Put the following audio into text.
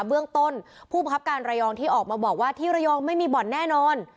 เบื้องต้นผู้บังคับการระยองที่ออกมาบอกว่าที่ระยองไม่มีบ่อนแน่นอน